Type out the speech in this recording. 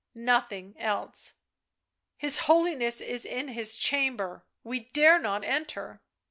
... Nothing else. " His Holiness is in his chamber — we dare not enter."